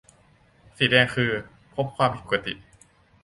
- สีแดงคือ พบความผิดปกติ